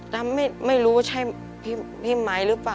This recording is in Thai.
แล้วไม่รู้ว่าใช่พี่ไมค์หรือเปล่า